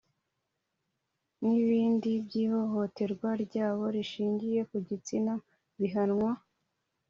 n’ibindi by’ihohoterwa ryabo rishingiye ku gitsina bihanwa